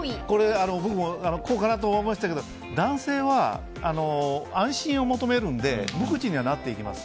僕もこうかなと思いましたけど男性は安心を求めるので無口にはなっていきます。